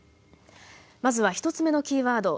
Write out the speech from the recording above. まずは１つ目のキーワード